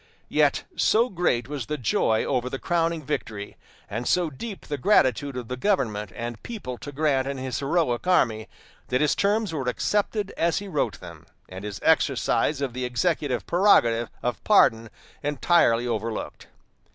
Yet so great was the joy over the crowning victory, and so deep the gratitude of the government and people to Grant and his heroic army, that his terms were accepted as he wrote them, and his exercise of the Executive prerogative of pardon entirely overlooked.